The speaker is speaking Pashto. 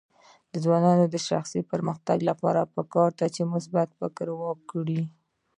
د ځوانانو د شخصي پرمختګ لپاره پکار ده چې مثبت فکر وکړي.